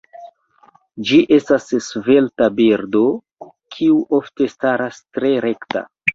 Ĝi estas svelta birdo kiu ofte staras tre rekta.